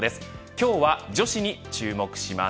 今日は女子に注目します。